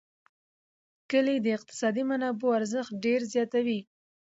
کلي د اقتصادي منابعو ارزښت ډېر زیاتوي.